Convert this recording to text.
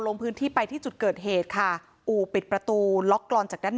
ลงพื้นที่ไปที่จุดเกิดเหตุค่ะอู่ปิดประตูล็อกกรอนจากด้าน